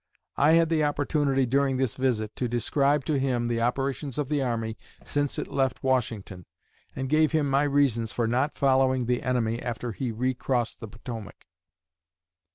I had the opportunity, during this visit, to describe to him the operations of the army since it left Washington, and gave him my reasons for not following the enemy after he recrossed the Potomac."